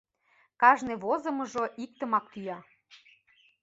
Кажне возымыжо иктымак тӱя.